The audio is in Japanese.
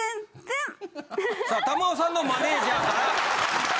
さあ珠緒さんのマネジャーから。